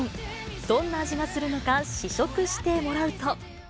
どんな味がするのか、試食してもらうと。